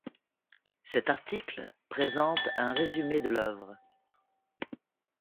Cet article présente un résumé de l'œuvre.